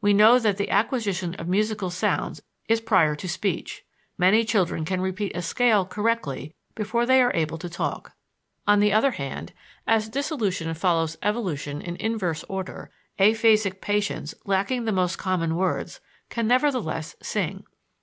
We know that the acquisition of musical sounds is prior to speech: many children can repeat a scale correctly before they are able to talk. On the other hand, as dissolution follows evolution in inverse order, aphasic patients lacking the most common words, can nevertheless sing.